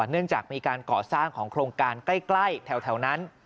เนื่องจากมีการก่อสร้างของโครงการใกล้แถวนั้น